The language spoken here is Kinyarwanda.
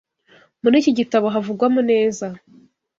Muri iki gitabo havugwamo neza